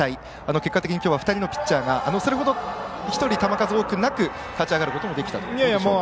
結果的にきょうは２人のピッチャーがそれほど、１人球数多くなく勝ち上がることもできたと。